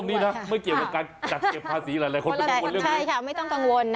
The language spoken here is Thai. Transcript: ย้ำตรงนี้นะไม่เกี่ยวกับการจัดเก็บภาษีหลายคนไม่ต้องกังวลเรื่องนี้